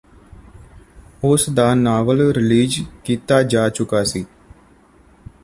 ਉਸ ਦਾ novel release ਕੀਤਾ ਜਾ ਚੁੱਕਾ ਸੀ